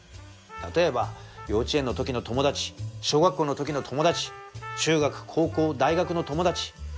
例えば幼稚園の時の友達小学校の時の友達中学高校大学の友達。